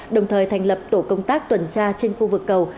đồng thời thành lập tổ công tác tuần tra trên khu vực cầu